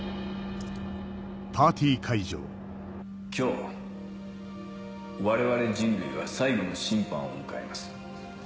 今日我々人類は最後の審判を迎えます。